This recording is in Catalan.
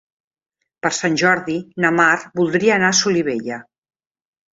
Per Sant Jordi na Mar voldria anar a Solivella.